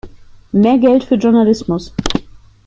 Mehr Geld für mehr Journalismus!